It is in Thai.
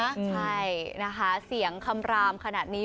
ใช่นะคะเสียงคำรามขนาดนี้